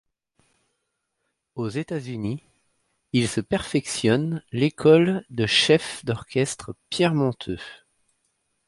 Aux États-Unis, il se perfectionne l'école de chef d'orchestre Pierre Monteux.